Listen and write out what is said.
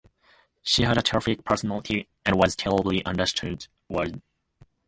She had terrific personality and was terribly underused and misused.